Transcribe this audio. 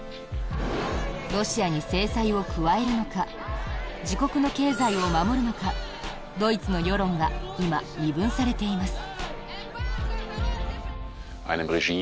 ロシアに制裁を加えるのか自国の経済を守るのかドイツの世論が今、二分されています。